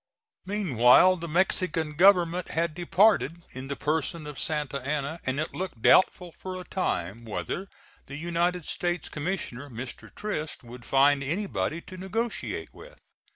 Meanwhile the Mexican government had departed in the person of Santa Anna, and it looked doubtful for a time whether the United States commissioner, Mr. Trist, would find anybody to negotiate with.